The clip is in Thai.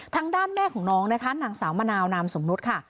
ทางด้านแม่ของน้องนะคะนางสาวมะนาวนามสมมุติค่ะ